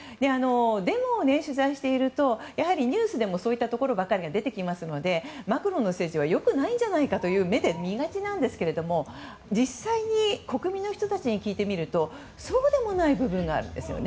デモを取材しているとやはりニュースでもそういったところばかりが出てくるのでマクロンの政治は良くないんじゃないかという目で見がちですけど実際に国民の人たちに聞いてみるとそうでもない部分があるんです。